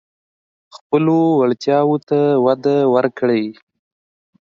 خپلو وړتیاوو ته وده ورکړئ.